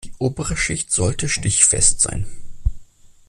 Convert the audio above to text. Die obere Schicht sollte stichfest sein.